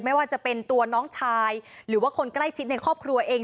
ไม่ว่าจะเป็นตัวน้องชายหรือว่าคนใกล้ชิดในครอบครัวเอง